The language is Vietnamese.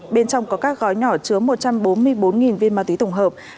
bên trong có các gói nhỏ chứa một trăm bốn mươi bốn viên ma túy tổng hợp